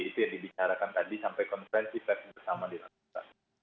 itu yang dibicarakan tadi sampai konfrensi pep bersama dilakukan